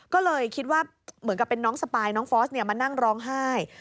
ก็เลยคิดว่าเหมือนกับเป็นน้องสปายน้องฟอสมานั่งร้องไห้